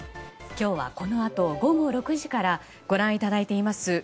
今日は、このあと午後６時からご覧いただいています